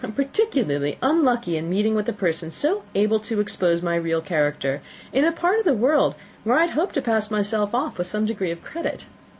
I am particularly unlucky in meeting with a person so well able to expose my real character, in a part of the world where I had hoped to pass myself off with some degree of credit.